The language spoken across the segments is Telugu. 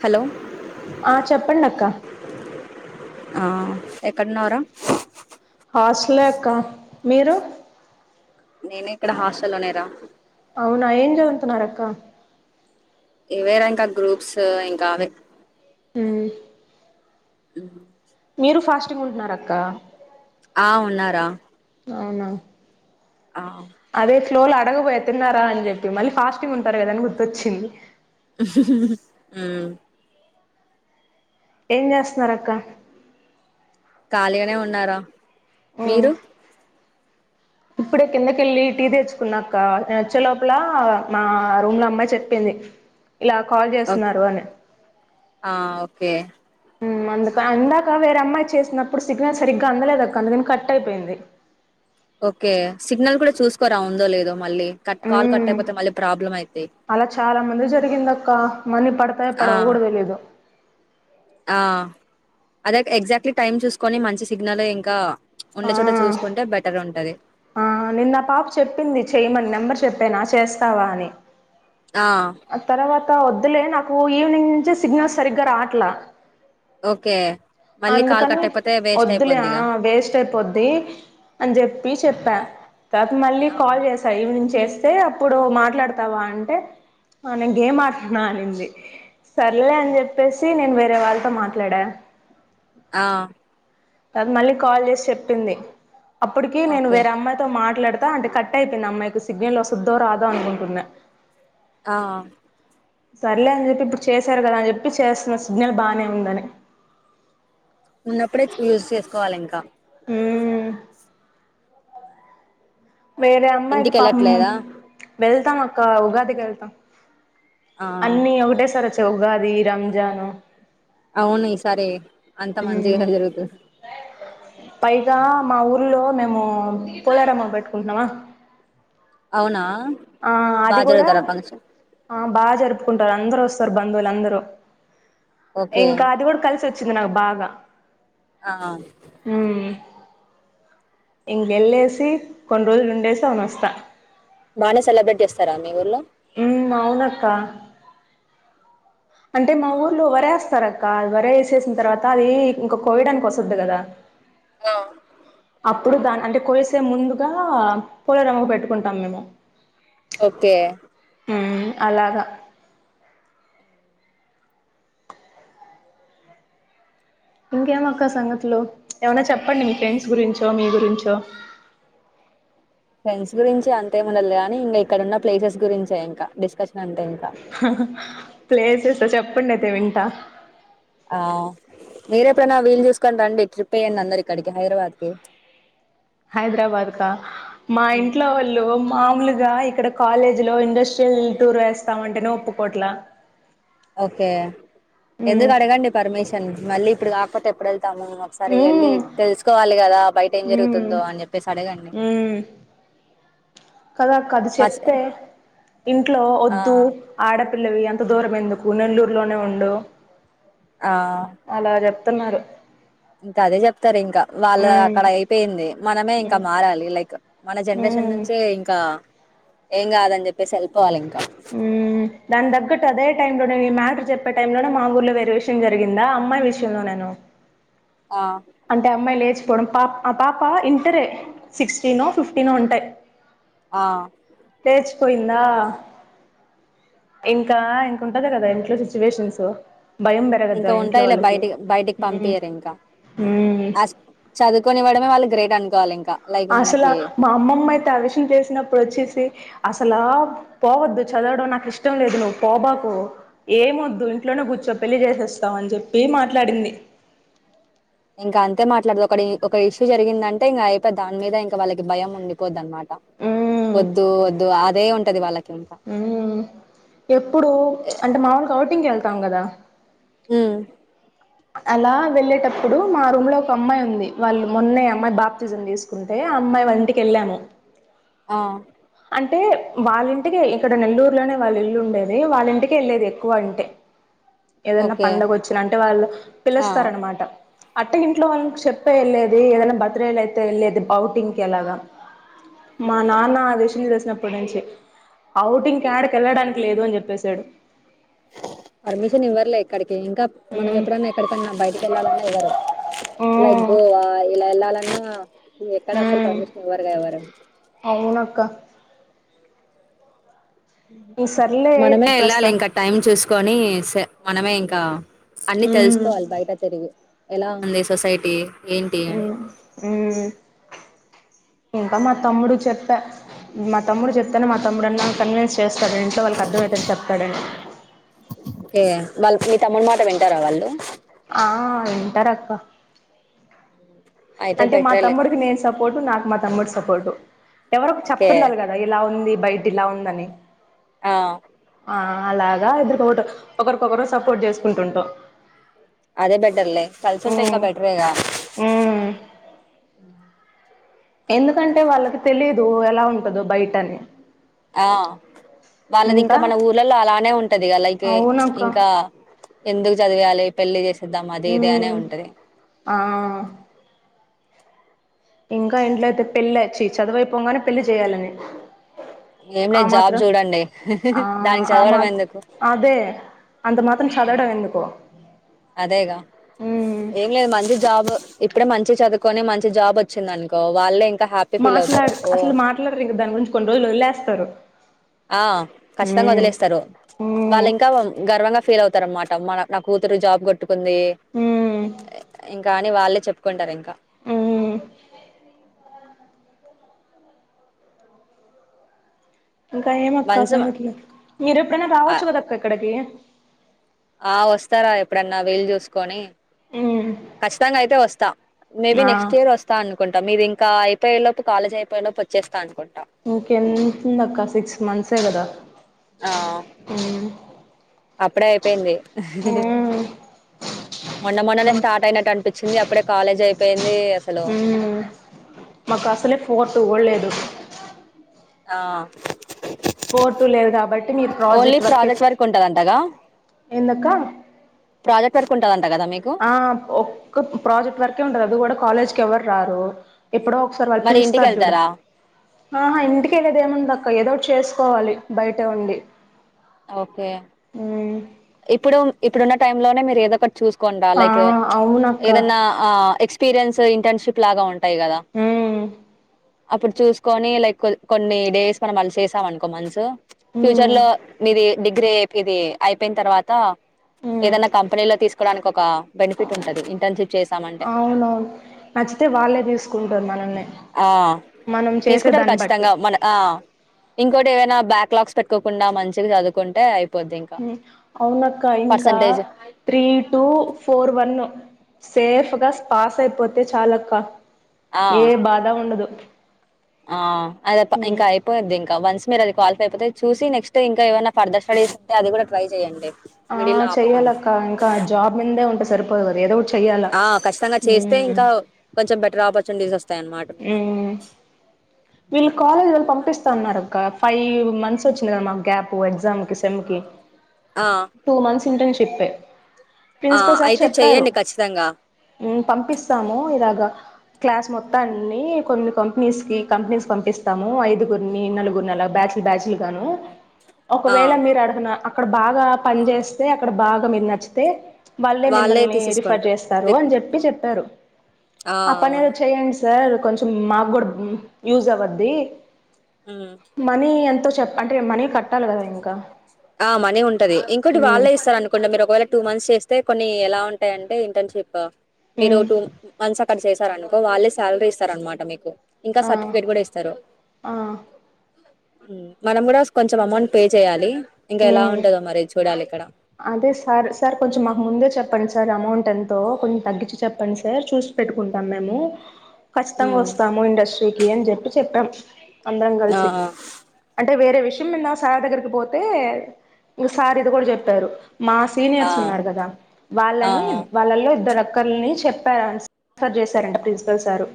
హలో ఆ చెప్పండక్క ఆ ఎక్కడున్నావ్ రా హాస్టలే అక్క మీరు నేను ఇక్కడ హాస్టల్లోనే రా తున్నర అక్క ఇవేరా ఇంకా గ్రూప్స్ ఇంకా అవె హ్మ్ మ్ మీరు ఫాస్టింగ్ ఉంటున్నరక్క ఆ ఉన్నా రా అవున ఆ ఫ్లో లో అడగబోయ తిన్నారా అని జెప్పి మళ్ళీ ఫాస్టింగ్ ఉంటారు గదా అని గుర్తొచ్చింది ఉమ్ ఎమ్ చేస్తున్నారక్క ఖాళీగానే ఉన్నారా మ్మ్ మీరు ఇప్పుడే కిందకెళ్ళి టీ తెచ్చుకున్నాక్క నేన్ వచ్చే లోపల మా రూమ్ లో అమ్మాయి చెప్పింది ఇలా కాల్ ఓకే చేస్తున్నారు అని ఆ ఓకే మ్ అందుకా ఇందాక వేరే అమ్మాయి చేసినప్పుడు సిగ్నల్ సరిగ్గా అందలేదక్క అందుకని కట్ అయిపోయింది ఓకే సిగ్నల్ కూడా చూసుకోరా ఉందో లేదో మళ్ళీ కట్ కాల్ కట్ మ్మ్ అయిపోతే మళ్ళీ ప్రాబ్లం అయిద్ది అలా చాలా మందిగ్ జరిగింది అక్క మనీ పడతాయో ఆ పడవో కూడా తెలీదు ఆ అదే ఎక్ ఎగ్జాక్ట్లీ టైమ్ చూసుకొని మంచి సిగ్నల్ ఇంకా ఆ ఉండే చోట చూసుకుంటే బెటర్ ఉంటది ఆ నిన్న ఆ పాప చెప్పింది చెయమని నెంబర్ చెప్పాను అ చేస్తావా అని ఆ త వద్దులే నాకు ఈవినింగ్ నుంచి సిగ్నల్స్ సరిగ్గా రాట్లా ఓకే మళ్ళీ కాల్ అందుకని కట్ అయిపోతే వేస్ట్ ఒద్దులే ఆ అయిపోద్దిగా వేస్ట్ అయిపోద్ది అని చెప్పి చెప్పా తరత మళ్ళీ ఆ కాల్ చేసా ఈవినింగ్ చేస్ సే అప్పుడు మాట్లాడతావా అంటే ఆ నేన్ గేమ్ ఆడుతున్న అనింది సర్లే అని జెప్పేసి నేను వేరే వాళ్ళతో మాట్లాడా ఆ తను మళ్ళీ కాల్ చేసి చెప్పింది అప్పటికి నేను ఓకే వేరే అమ్మాయితో మాట్ మాట్లాడతా అంటే కట్ అయిపోయింది అమ్మాయికు సిగ్నల్ వస్తద్దో రాదో అనుకుంటున్నా ఆ సర్లే అని చెప్పి ఇప్పుడు చేశారు కదా అని చెప్పి చేస్తున్న సిగ్నల్ బానే ఉందని ఉన్నప్పుడే యూజ్ చేసుకోవాలి ఇంకా మ్ వేరే అమ్మాయికి పాపం ఇంటికెళ్ళట్లేదా వెళ్తాం అక్క ఉగాదికి వెళ్తాం ఆ అన్ని ఒకటే సార్ వచ్చయి ఉగాది రంజాను అవును ఈ సారి అంత మంచిగా జరుగుతు పైగా మా ఊర్లో మేము పోలేరమ్మ పెట్టుకుంటునమా అవునా ఆ అది బాగా కూడా జరుగుతారా ఫంక్షన్ ఆ బా జరుపుకుం టారు అందరు వస్తారు బంధువులు అందరూ ఓకే ఇంకా అది కూడా కలిసి వచ్చింది నాకు బా గ ఆ ఉమ్ ఇంకెళ్ళేసి కొన్ రోజులు ఉండేసి అవును వస్తా బానే సెలబ్రేట్ చేస్తారా మీ ఊర్లో ఉమ్ అవునక్క అంటే మా ఊర్లో వరేస్తారు అక్క వర వేసేసిన తర్వాత అది ఇంకా కోయిడ్డానికి వసద్ది కదా అ అప్పుడు దాన్ అంటే కొలిసే ముందుగా పోలేరమ్మకి పెట్టుకుంటాం మేము ఓకే మ్ అలాగా ఇంకేమక్క సంగతులు ఎవన్న చెప్పండి మీ ఫ్రెండ్స్ గురించో మీ గురించో ఫ్రెండ్స్ గురించి అంతేం ఉండదులేగానీ ఇంకా ఇక్కడన్న ప్లేసెస్ గురించే ఇంకా డిస్కషన్ అంటె ఇంకా ప్లేసెసా చెప్పండి అయితే వింటా ఆ మీరేప్పుడన్నా వీలు చూసుకొన్ రండి ట్రిప్ ఎయ్యండి అందరు ఇక్కడికి హైదరాబాద్కి హైదరాబాద్ కా మా కి ఇంట్లో వాళ్ళు మాములుగా ఇక్కడ కాలేజీ లో ఇండస్ట్రియల్ టూర్ వేస్తామంటేనే ఒప్పుకోట్లా ఓకే మ్మ్ ఎందుకు అడగండి పర్మిషన్ మళ్ళీ ఇప్పుడు కాకపోతే ఎప్పుడ ఎల్ తాము ఒకసారి వెళ్ళి మ్మ్ తెలుసుకోవాలి కదా బయట ఏం మ్మ్ జరుగుతుందో అని చెప్పేసి అడ అడగండి కదాక్క అది మా చె చెప్తే ఇంట్లో ఆ వద్దు ఆడ పిల్లవి అంత దూరం ఎందుకు నెల్లూరులోనే ఉండు ఆ త్తున్నారు ఇంకా అదే చెప్తారు ఇంకా వాళ్ళ అక్కడ అయిపోయింది మనమే ఇంకా మ్మ్ మారాలి లైక్ మన జనరేషన్ మ్మ్ నుంచే ఇంకా ఏం కాదని చెప్పేసి వెళ్ళిపోవాలి ఇంకా ఉ దాని తగ్గట్టు అదే టైమ్ లోనే ఈ మ్యాటర్ చెప్పే టై లోనే మా ఊర్లో వేరె విషయం జరిగిందా అమ్మాయి విషయంలోనే ఆ అంటే అమ్మాయి లేచ్ డం పాప ఆ పాప ఇంటరే సిక్స్టీనో ఫిఫ్టీనో ఉంటాయి ఆ లేచిపోయిందా ఇంకా ఇంకుంటది కదా ఇంట్లో సిచ్యువేషన్స్ భయం పెరగద్దా ఇంకా ఇంట్లో ఉంటాయి లె వాళ్ళకి బయటి బయటికి ఉమ్ పంపియరు ఇంకా ఉమ్ అ చదువుకొని ఇవ్వడమే వాళ్ళు గ్రేట్ అను అసలు మా అమ్మమ్మ అయితే ఆ విషయం తెలిసినప్పుడు వచ్చేసి అసలా పోవద్దు చదవడం నాకు ఇష్టం లేదు నువ్వు పోబాకు ఏమొద్దు ఇంట్లోనే కూర్ ర్చో పెళ్లి చేసేస్తాం అని చెప్పి మాట్లాడింది ఇంకా అంతే మాట్లాడదు ఒకడి ఒక ఇష్యూ జరిగిందంటే ఇంక అయిపాయ్ దాని మీద ఇంకా వాళ్ళకి భయం ఉండిపోద్ది అనమా ట ఉమ్ వద్దు వద్దు అదే ఉంటది వాళ్ళ ఉ ఎప్పుడు అంటే మాములుగా ఔటింగ్ కి వెళ్తాం కదా ఉ అలా వెళ్ళేటప్పుడు మా రూమ్ లో ఒక అమ్మాయి ఉంది వాళ్ళు మొన్నే అమ్మాయి బాప్తిజన్ తీసుకుంటే అమ్మాయి వాళ్ళ ఇంటికెళ్ళాము ఆ అంటే వాళ్ళింటికి ఇక్కడ నెల్లూరులోనే వాళ్ళ ఇల్లు ఉండేది వాళ్ళింటికె వెళ్లేది ఎక్కువ అంటే ఏదన్నా ఓకే పండగ వచ్చిన అంటే వాళ్ళు ఆ పిలుస్తారనమాట అట్ట ఇంట్లో వాళ్ళకి చెప్పే వెళ్ళేది ఏదైనా బర్త్డేలైతే వెళ్ళేది బౌటింగ్ కి అలాగా మా నాన్న అది ఇది తెలిసినప్పటి నుంచి ఔటింగ్ యాడికి వెళ్ళడానికి లేదు అని చెప్పేసాడు పర్మిషన్ ఇవ్వర్లే ఎక్కడ్ ఇంకా మనం మ్మ్ ఎప్పుడన్నా ఎక్కడికన్నా బయటకి వెళ్ళాలన్నా ఇవ్వరు లైక్ మ్మ్ గోవా ఇలా వెళ్ళాల అ ఎక్కడ అసలు మ్మ్ పర్మిషన్ ఇవ్వరుగా ఎవరు అవునక్క ఈ సర్లే మనమే ఇప్పుడు వెళ్ళాలి ప్రస్తుతానికి ఇంకా టైం చూసుకొని స మనమే ఇంకా అన్ని మ్మ్ తెలుసుకోవాలి బయట తిరిగి ఎలా ఉంది సొసైటీ ఏంటి ఉ అని ఉ ఇంకా మా తమ్ముడు చెప్పా మా తమ్ముడు చెప్తానే మా తమ్ముడు అన్నా కన్విన్స్ చేస్తాడు ఇంట్లో వాళ్ళకి అర్థమయెతట్టు చెప్తాడని ఏ వాళ్ళకి మీ తమ్ముడు మాట వింటారా వాళ్ళు ఆ వింటారక్క అయితే అంటే మా బెటరేలే కానీ తమ్ముడికి నేను సపోర్టు నాకు మా తమ్ముడు సపోర్టు ఎవరో ఒకర్ ఓకే చెప్తుండాలి కదా ఇలా ఉంది బయట ఇలా ఉందని ఆ ఆ అలాగా ఇద్దరికొకటు ఒకరికొకరు సపోర్ట్ చేసుకుంటుంటాం అదే బెటర్లే కలిసుంటే ఇంకా ఉమ్ బెటరే గా ఉమ్ ఉ ఎందుకంటే వాళ్ళకి తెలిదు ఎలా ఉంటదో బయట అని ఆ వాళ్ళది ఇంకా మన ఊర్లలో అలానే ఉంటదిగా లైక్ ఎ అవునక్క ఇంకా ఎందుకు చదివియాలి పెళ్లి చేసేద్దాం అది ఇది అనే ఉమ్ ఉంటది ఆ ఇంకా ఇంట్లో అయితే పెళ్ళి చ్చి చదువైపోగానే పెళ్లి చేయాలని ఏం ఆ లేదు జాబ్ మాత్రం చూడండి ఆ దానికి ఆ చదవడం మాత్ ఎందుకు అదే అంత మాత్రం హ్మ్. చదవడం ఎందుకో అదేగా ఏం లేదు మంచి జాబు ఇప్పుడే మంచిగ చదు కొని మంచి జాబ్ వచ్చింది అనుకో వాళ్ళే ఇం మాట్లాడ అసలు మాట్లాడరు ఇంక దాని గురించి కొన్ని రోజులు వదిలేస్తరు ఆ ఖచ్చితంగా వదిలేస్తరు మ్మ్ వాళ్ళు ఇంకా గర్వంగా ఫీల్ అవుతారు అన్నమ మన నా కూతురు జాబ్ కొట్టుకుంది మ్మ్ ఇంకా అని వాళ్ళే చెప్పుకుంటారు ఇంకా ఉమ్ ఇంకా ఏమక్క వన్స్ సంగతులు మీరు ఎప్పుడైనా ఆ రావచ్చు కదా అక్క ఇక్కడికి ఆ వస్తారా ఎప్పుడన్నా వీలు చూసుకొని మ్మ్ ఖచ్చితంగా అయితే వస్తా మేబి ఆ నెక్స్ట్ ఇయర్ వస్తా అనుకుంటా మీరు ఇం క అయిపోయే లోపు కాలేజ్ అయిపోయేలోపు వచ్చేస్తానుకోం ఇంకెంతుంది అక్క సిక్స్ మంత్సే కదా ఆ అవును అప్పుడే అయిపోయింది మొన్న మొన్ననే స్టార్ట్ అయినట్టు అనిపించింది అప్పుడే కాలేజ్ అయిపోయింది అసలు ఉమ్ మాకు అసలే ఫోర్తుకూడ లేదు ఆ ఫోర్టు లేదు కాబట్టి మీరు ప్రాజెక్ట్ వర్క్ ఎందక్కా ప్రాజెక్ట్ వర్కుటందం ఆ ఒక్క ప్రాజెక్ట్ వర్కే ఉంటది అది కూడా కాలేజ్కి ఎవ్వరు రారు ఎప్పుడో ఒకసారి వాళ్లు మరి పిలుస్తరు చూడు ఇంటికెళ్తారా ఆహా ఇంటికెళ్ళేది ఏముందక్క ఏదోకటి చేసుకోవాలి బయటే ఉండి ఓకే ఉమ్ ఇప్పుడు ఇప్పుడున్న టైమ్ లోనే మీరు ఏదో ఒకటి చూసుకోండి రా ఆ లైక్ అవునక్క ఏదనా అ ఎక్స్ పిరియన్స్ ఇంటర్న్షిప్ లాగా ఉంటాయి కదా ఉమ్ అప్పుడు చూసుకొని లైక్ కొన్ని డేస్ అలా మనం అళ్ళ చేసామనుకొన్నిమంత్స్ ఫ్యూచర్ ఉమ్ లో మీది డిగ్రీ ఏది ఇది అయిపోయిన తర్వాత ఉమ్ ఏదైనా కంపెనీలో తీసుకోవడానికి ఒక బెనిఫిట్ ఉంటది ఇంటెన్షిప్ చేస్ అవునవును నచ్చితే వాళ్ళే తీసుకుంటరు మనల్నే ఆ తీసుకుంటరు బట్టి ఖచ్చితంగా మన ఆ ఇంకో టి ఏదైనా బ్యాక్లాస్ పెట్కోకుండా మంచిగా చదువుకుంటే ఆయ్ ఉమ్ అవునక్క ఇంకా percentage three two four one సేఫ్గా పాస్ అయిపోతే చాలక్క ఏ ఆ బాధ ఉండదు ఆ అదత ఉమ్ ఇంకా అయిపోయిద్ది ఇంకా వన్స్ మీరు అది క్వాలిఫై అయితే చూసి నెక్స్ట్ ఇంకా ఏమన ఫర్థెర్ స్టడీస్ ఉంటే అది కూడా ట్రై చేయండి ఆ మిడిల్ ఆపకుండా చెయ్యాలక్క ఇంకా జాబ్ మీందే ఉంటే సరిపోదు కదా ఏదో ఒక ఆ ఖచ్చితంగా చేస్తే ఇంకా కొంచెం బెటర్ ఆపర్చునిటీస్ వస్త ఉమ్ వీళ్ళు కాలేజోళ్ళు పంపిస్ తంన్నారు అక్క ఫైవ్ మంత్స్ వచ్చింది కదా మాకు గ్యాప్ ఎగ్జామ్ కి సెమ్ కి ఆ టూ మంత్స్ ఇంటర్నషిప్పే ఆ ప్రిన్సిపల్ సార్ అయితే చెప్పారు చెయ్యండి ఖచ్చితంగా ఉమ్ పంపిస్తాము ఇలాగా క్లాస్ మొ త్తాన్ని కొన్ని కంపెనీస్ కి కంపెనీస్ క పంపిస్తాము ఐదుగురిని నాలుగురిని అలా బ్యాచ్లు బ్యాచ్లు గా హలో ఆ ఒకవేళ మీరు అడుగన అక్కడ బాగా పని చేస్తే అక్కడ బాగా మీరు నచ్చితే వాళ్ళే మిమ్మల్ని రిఫర్ తీసేసుకుంటారు చేస్తారు రిక్- అని చెప్పి చెప్పారు ఆ పని ఏదో చెయండి సార్ కొంచం మాక్ కూడా యూజెస్ అవద్ది ఉమ్. మాని ఎంతో చెప్ అంటే మనీ కట్టాలి కదా ఇంకా ఆ మనీ ఉంటది ఇంకోటి మ్మ్ వాళ్ళే ఇస్తారు అనుకోంట మీరు ఒకవేళ టూ మంత్స్ చేస్తే కొన్ని ఎలా ఉంటాయంటే ఇంటర్న్షిప్ మీరు మ్మ్ టూ మాన్స్ అక్కడ చేశారనుకో వాళ్ళే శాలరీ ఇస్తార అనమాట మీకు ఇంకా ఆ సర్టిఫికేట్ కూడా ఇస్తారు ఆ మనం కూడా కొంచెం అమౌంట్ పే చేయాలి ఇంకా ఎలా మ్మ్ ఉంటదో మరి చూడాలి ఇక్కడ అదే సార్ సార్ కొంచెం మాకు ముందే చెప్పండి సార్ అమౌంట్ ఎంతో కొం తగ్గించి చెప్పండి సార్ చూసి పెట్టుకుంటాం మేము ఖచ్చితంగా హ్మ్. వస్తాము ఇండస్ట్రీకి అని చెప్పి చెప్పాం అందరం ఆ కలిసి ఆ అంటే వేరే వి విషన్ మీద సార్ దగ్గరికి పోతే ఇంక సార్ ఇది కూడా చెప్పారు మా ఆ సీనియర్స్ ఉన్నారు కదా ఆ! ఆ! వాళ్ళని వాళ్ళలో ఇద్దరుక్కలని చెప్పారు రెఫెర్ చేశారంటా ప్రిన్సిపల్ సారు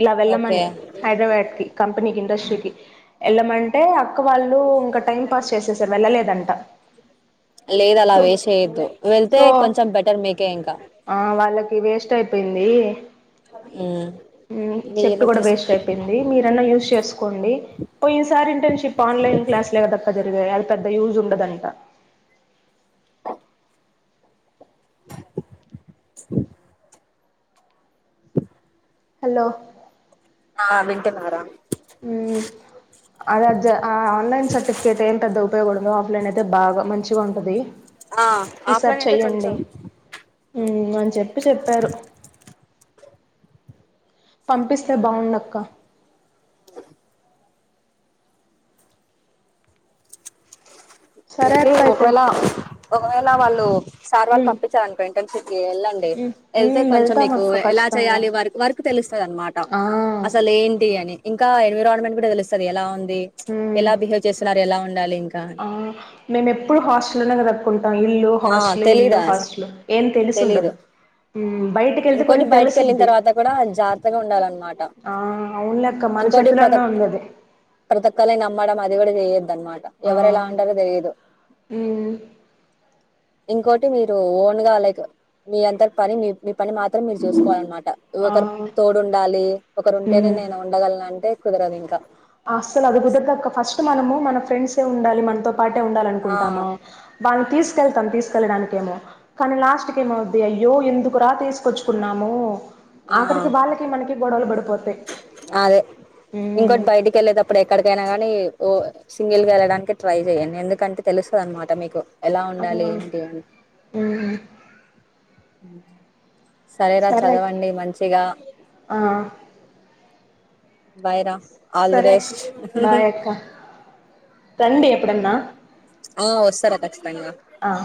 ఇలా ఓకే వెళ్ళమని హైదరాబాద్ కి కంపెనీకి ఇండస్ట్రీ వెళ్ళమంటే అక్క వాళ్ళు ఇంకా టైం పాస్ చేసేసారు వెళ్ళలేదంట లేదు అలా సో వేస్ట్ చెయ్యొద్దు వెళ్తే సో కొంచెం బెటర్ మీకే ఇంకా ఆ వాళ్ళకి వేస్ట్ అయిపోయింది ఉమ్ మ్ చెప్పు కూడా వేస్ట్ అయిపోయింది. మీరన్నా యూజ్ చేసుకోండి పో ఈసారి ఇంటర్న్షిప్ ఆన్లైన్ క్లాస్ లే జరిగాయి అది పెద్ద యూజ్ ఉండదంట హలో ఆ వింటన్నారా మ్ అదే జ ఆ ఆన్లైన్ సర్టిఫికేట్ ఏం పెద్ద ఉపయోగ ఉందో ఆఫ్లైన్ అయితే బాగా మంచిగా ఉంటది ఆ ఓఫ్ఫ్లిన్ అయితే కొంచం ఉ అని చెప్పి చెప్పారు పంపిస్తే బాగుండక్క సరే ఏంటి అక్క అయితే ఒకవేళ ఒకవేళ వాళ్ళు సార్ వాళ్ళు మ్మ్ పంపించారునుకో ఇంటర్న్షిప్ కి వెళ్ళండి మ్మ్ వెళ్తే మ్మ్ కొంచెం వెళ్తాం మీకు అక్క ఎలా ఖచ్చితంగా చేయాలి వ వర్క్ తె తేలుస్తు అనమాట ఆ అసల్ ఏంటి అని ఇంకా ఎన్విరాన్మెంట్ కూడా తెలుస్తుంది ఎలా ఉంది మ్మ్ ఎలా బిహేవ్ చేస్తున్నారు ఎలా ఉండాలి ఇంకా ఆ మేము ఎప్పుడు హాస్టల్ లోనే కాదక్కా ఉన్ ఇల్లు ఆ హాస్టల్ ఇల్లు తెలీదా హాస్టల్ ఏం తెలిసు ఉండదు తెలీదు బయటి వేళ్తే ఇంకోటి కొంచెం బయటికి వెళ్ళిన తెలుస్తుద్ది తర్వాత కూడా జాగ్రత్తగా ఉండాలన్నమాట ఆ ఆవును అక్క మన చేతిలోనే ఉంది ది ప్రతోక్లని నమ్మడం అదికూడా చెయద్దన్నమాట ఆ ఎవరు ఎలా ఉంటారో తెలిదు మ్మ్ ఇంకోటి మీరు ఓన్ గా లైక్ మీ అంతటి పని మీ మీ పని మాత్రం మీరు చూసుకోవాలిన్నమాట ఆ ఒకరు తోడుండాలి ఒకరు ఉంటేనే హ్మ్ నేను ఉండగలను అంటే కుదరదు ఇంకా అస్సలు అది కుదరాదు అక్క ఫస్ట్ మనము మన ఫ్రెండ్స్సే ఉండాలి మనతో పాటే ఆ ఉండాలనుకుంటాను వాళ్ళని తీస్ తీసుకెళ్తాం తీసుకెళ్ళడానికి ఏమో కానీ లాస్ట్ కి ఏమవుద్ది అయ్యో ఎందుకురా తీసుకొచ్చుకున్నాము ఆ ఆఖరికి వాళ్ళకి మనకి గొడవలు పడిపోతాయి అదే, ఇంకోటి హ్మ్ బయటికి వెళ్ళలేదప్ ఇప్పుడు ఎక్కడికైనా కాని ఓ సింగిల్ గా వెళ్ళడానికె ట్రై చెయండి ఎందుకంటే తెలుస్తుంది అనమాట మీకు ఎలా ఉండాలి అవును ఏంటి అని హ్మ్ సరే రా చదవండి మంచిగా ఆ బాయ్ రా ఆల్ ది సరే అక్క బెస్ట్ బాయ్ అక్క రండి ఎప్పుడన్నా ఆ వొస్తారా ఖచ్చితంగా ఆ